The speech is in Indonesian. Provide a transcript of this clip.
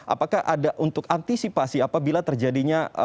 apakah ada untuk antisipasi apabila terjadinya